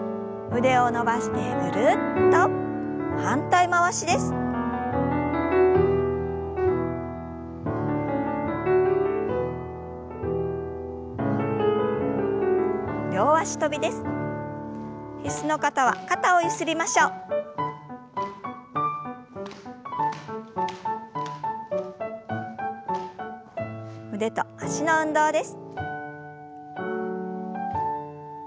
腕と脚の運動です。